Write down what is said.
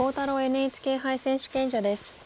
ＮＨＫ杯選手権者です。